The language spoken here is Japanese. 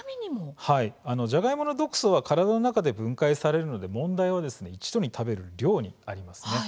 ジャガイモの毒素は体の中で分解されてたまることがないので問題は一度に食べる量にあります。